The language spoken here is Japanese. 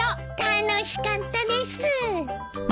楽しかったです！